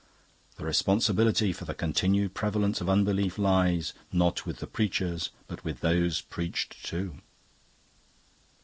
The responsibility for the continued prevalence of unbelief lies, not with the preachers, but with those preached to.